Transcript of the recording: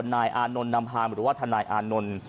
นายอานนท์นำพามหรือว่าทนายอานนท์